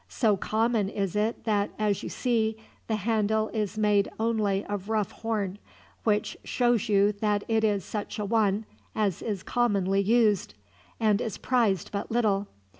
So common is it that, as you see, the handle is made only of rough horn; which shows you that it is such a one as is commonly used, and is prized but little.